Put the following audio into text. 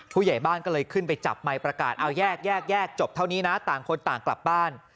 ผู้ใหญ่บ้านก็เลยขึ้นไปจับไมค์ประกาศเอาแยกแยกจบเท่านี้นะต่างคนต่างกลับบ้าน